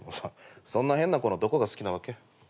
そんな変な子のどこが好きなわけ？